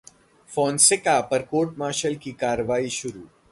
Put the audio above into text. Fonseca पर court martial की कार्रवाई शुरू